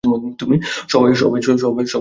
সবাই তৈরী তো?